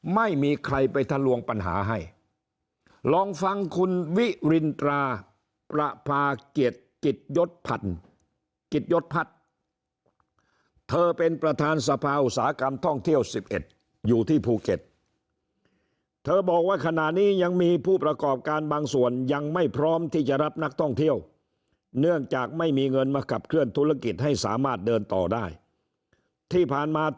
ไม่มีใครไปทะลวงปัญหาให้ลองฟังคุณวิรินตราประพาเกียรติกิจยศพันธ์กิจยศพัฒน์เธอเป็นประธานสภาอุตสาหกรรมท่องเที่ยว๑๑อยู่ที่ภูเก็ตเธอบอกว่าขณะนี้ยังมีผู้ประกอบการบางส่วนยังไม่พร้อมที่จะรับนักท่องเที่ยวเนื่องจากไม่มีเงินมาขับเคลื่อนธุรกิจให้สามารถเดินต่อได้ที่ผ่านมา